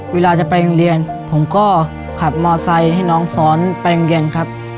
เวลาจะไปโรงเรียนผมก็ขับมอไซค์ให้น้องซ้อนไปโรงเรียนครับ